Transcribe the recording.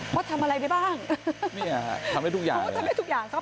ว่าทำอะไรได้บ้างเนี่ยฮะทำได้ทุกอย่างทำได้ทุกอย่างครับ